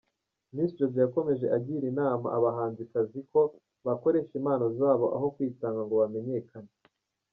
Miss Jojo yakomeje agira inama abahanzikazi ko bakoresha impano zabo aho kwitanga ngo bamenyekane.